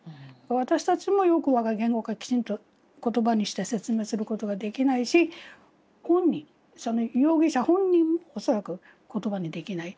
私たちもよく言語化きちんと言葉にして説明することができないしご本人容疑者本人も恐らく言葉にできない。